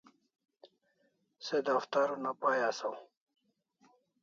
Se daftar una pay asaw